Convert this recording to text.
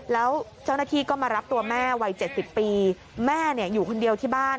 แล้วเจ้าหน้าที่ก็มารับตัวแม่วัย๗๐ปีแม่อยู่คนเดียวที่บ้าน